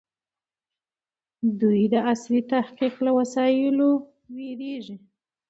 دوی د عصري تحقيق له وسایلو وېرېږي.